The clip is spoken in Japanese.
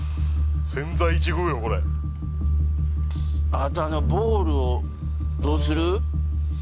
あとあのボールをどうする？